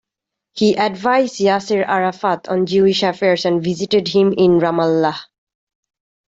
He advised Yasser Arafat on Jewish affairs and visited him in Ramallah.